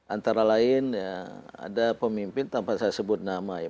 antara lain ada pemimpin tanpa saya sebut nama ya